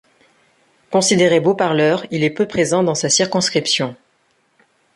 Considéré beau parleur, il est peu présent dans sa circonscription.